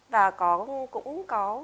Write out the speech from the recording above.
và cũng có